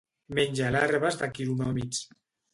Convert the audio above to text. Menja larves de quironòmids.